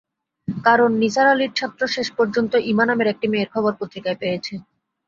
কারণ নিসার আলির ছাত্র শেষ পর্যন্ত ইমা নামের একটি মেয়ের খবর পত্রিকায় পেয়েছে।